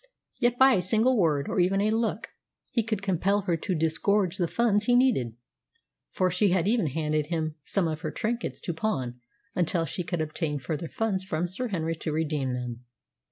Yet by a single word, or even a look, he could compel her to disgorge the funds he needed, for she had even handed him some of her trinkets to pawn until she could obtain further funds from Sir Henry to redeem them.